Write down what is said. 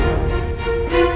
nanti kita ke rumah